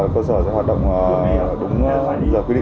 cơ sở sẽ hoạt động đúng lý do quy định